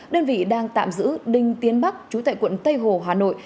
đơn vị đang tạm giữ đinh tiến bắc chú tại quận tây hồ hà nội